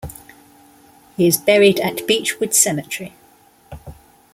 He is buried at Beechwood Cemetery.